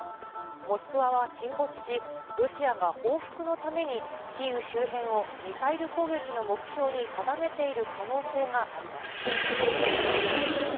モスクワは沈没し、ロシアが報復のためにキーウ周辺をミサイル攻撃の目標に定めている可能性があります。